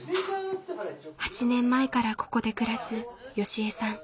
８年前からここで暮らすよしえさん。